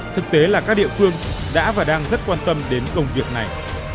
thực tế là các địa phương đã và đang rất quan tâm đến công việc này